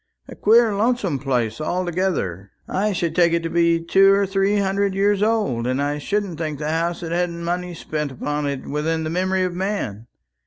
A queer lonesome place altogether. I should take it to be two or three hundred years old; and I shouldn't think the house had had money spent upon it within the memory of man.